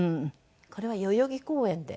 これは代々木公園で。